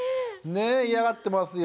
嫌がってますよ。